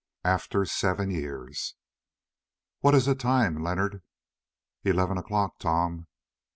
AFTER SEVEN YEARS "What is the time, Leonard?" "Eleven o'clock, Tom."